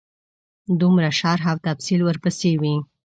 دومره شرح او تفصیل ورپسې وي.